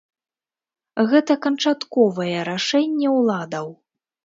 Гэта канчатковае рашэнне ўладаў.